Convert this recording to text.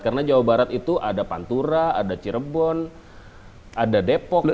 karena jawa barat itu ada pantura ada cirebon ada depok